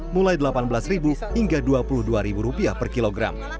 mulai rp delapan belas hingga rp dua puluh dua per kilogram